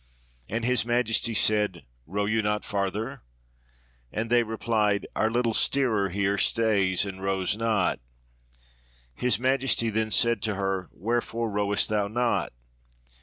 And His Majesty said, 'Row you not farther?' And they repUed, 'Our little steerer here stays and rows not.' His Majesty then said to her, 'Wherefore rowest thou not?'